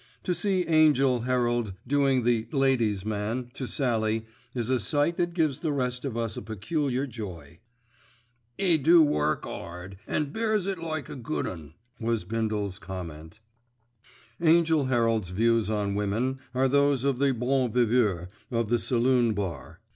To see Angell Herald doing the "ladies' man" to Sallie is a sight that gives the rest of us a peculiar joy. "'E do work 'ard, an' she bears it like a good un," was Bindle's comment. Angell Herald's views on women are those of the bon viveur of the saloon bar.